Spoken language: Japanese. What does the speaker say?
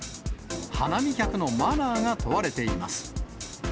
花見客のマナーが問われています。